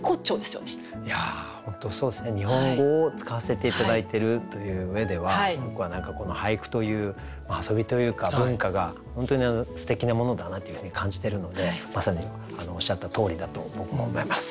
日本語を使わせて頂いてるという上では僕は何かこの俳句という遊びというか文化が本当にすてきなものだなというふうに感じてるのでまさにおっしゃったとおりだと僕も思います